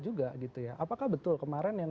juga gitu ya apakah betul kemarin yang